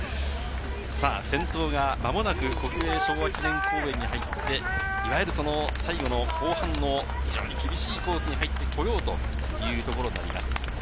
先頭は間もなく国営昭和記念公園に入って、いわゆる最後の後半の非常に厳しいコースに入ってこようというところになります。